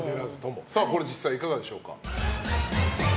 これ、実際いかがでしょうか？